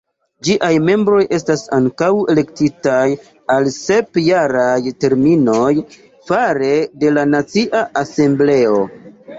Ĝiaj membroj estas ankaŭ elektitaj al sep-jaraj terminoj fare de la Nacia Asembleo.